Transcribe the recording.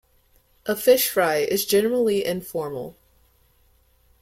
A fish fry is generally informal.